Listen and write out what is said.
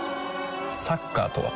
サッカーとは？